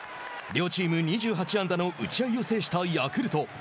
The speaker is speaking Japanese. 両チーム２８安打の打ち合いを制したヤクルト１２